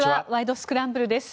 スクランブル」です。